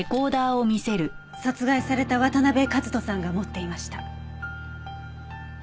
殺害された渡辺和登さんが持っていました。